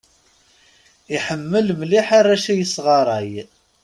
Iḥemmel mliḥ arrac i yesɣaṛay.